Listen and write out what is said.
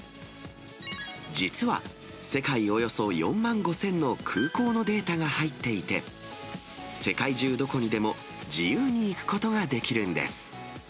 実は、世界およそ４万５０００の空港のデータが入っていて、世界中どこにでも自由に行くことができるんです。